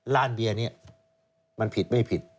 ร้านเบียร์นี้มันผิดไม่ผิด